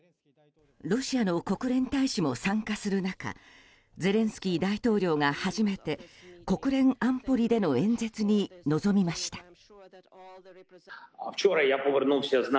ロシアの国連大使も参加する中ゼレンスキー大統領が初めて国連安保理での演説に臨みました。